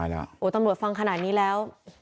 โอ้โหตำรวจฟังขนาดนี้แล้ว